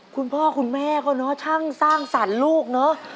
คุณพ่อคุณแม่ก็เนอะช่างสร้างสรรค์ลูกเนอะ